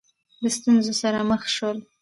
د ستونزو سره مخ شول